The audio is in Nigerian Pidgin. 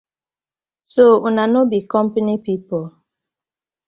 So una no be compani people?